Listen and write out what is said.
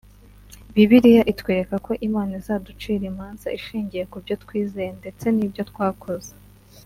Bibiliya itwereka ko Imana izaducira imanza inshingiye kubyo twizeye ndetse nibyo twakoze